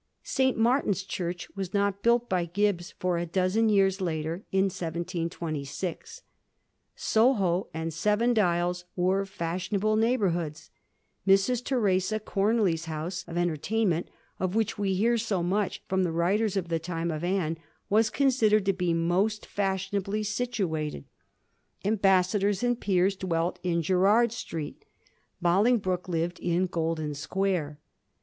St. Martin's Church was not built by Gibbs for a dozen years, later, in 1726. Soho and Seven Dials were fashion able neighbourhoods ; Mrs. Theresa Comelys' house of entertainment, of which we hear so much from the writers of the time of Anne, was considered to be most feshionably situated; ambassadors and peers dwelt in Gerrard Street ; Bolingbroke lived in Golden Square.